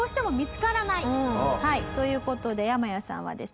という事でヤマヤさんはですね。